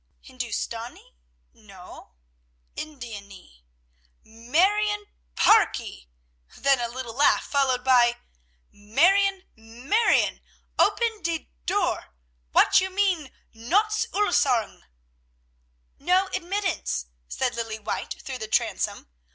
"Hindoostanee? No; Indianee: Marione Parkee!" Then a little laugh, followed by, "Marione! Marione! Ope die Thur! What you mean, Nottz Ullarsg?" "No admittance," said Lilly White through the transom.